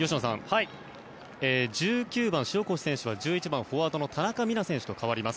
１９番、塩越選手は１１番、フォワードの田中美南選手と代わります。